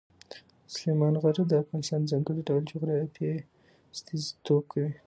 سلیمان غر د افغانستان د ځانګړي ډول جغرافیې استازیتوب کوي.